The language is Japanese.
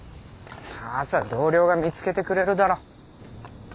朝同僚が見つけてくれるだろ。